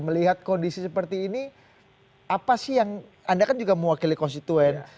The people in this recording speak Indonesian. melihat kondisi seperti ini apa sih yang anda kan juga mewakili konstituen